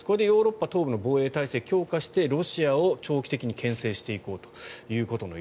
ヨーロッパ東部の防衛体制を強化してロシアを長期的にけん制していこうと。